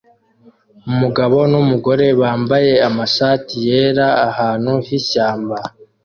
Umugabo numugore bambaye amashati yera ahantu h'ishyamba